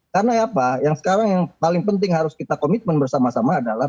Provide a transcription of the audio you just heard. karena apa yang sekarang yang paling penting harus kita komitmen bersama sama adalah